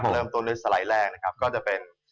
เริ่มต้นด้วยสไลด์แรกนะครับก็จะเป็น